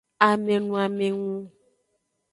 Amenoamengu.